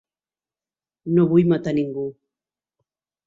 No vull matar ningú.